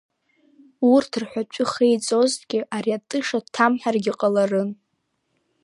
Урҭ рҳәатәы хеиҵозҭгьы, ари атыша дҭамҳаргьы ҟаларын.